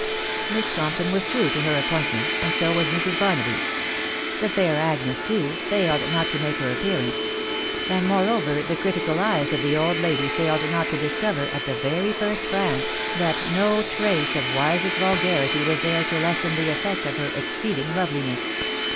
•••••• Miss Compton was true to her appointment, and so was Mrs. Barnaby ; the fair Agnes, too, failed not to make her ap pearance ; and moreover the critical eyes of the old lady failed not to discover, at the very first glance, that no trace of Wisett vulgarity was there to lessen the effect of her exceeding loveli ness.